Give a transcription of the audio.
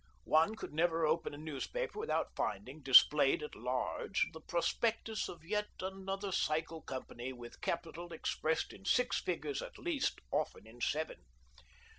One could never open a newspaper without finding, displayed at large, the prospectus of yet another cycle company with capital expressed in six figures at least, often in seven.